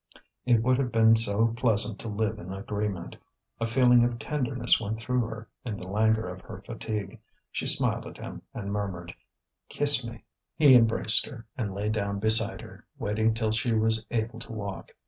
It would have been so pleasant to live in agreement; a feeling of tenderness went through her in the languor of her fatigue. She smiled at him, and murmured: "Kiss me." He embraced her, and lay down beside her, waiting till she was able to walk.